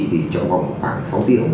thì trong vòng khoảng sáu tiêu